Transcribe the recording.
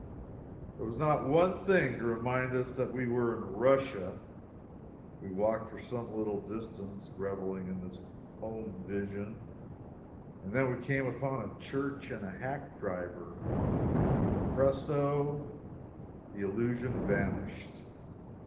There was not one thing to remind us that we were in Russia. We walked for some little distance, reveling in this home vision, and then we came upon a church and a hack driver, and presto! the illusion vanished!